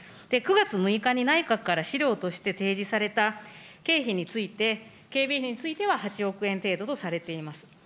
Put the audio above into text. ９月６日に内閣から資料として提示された経費について、警備費については、８億円程度とされています。